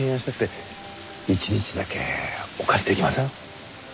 一日だけお借りできません？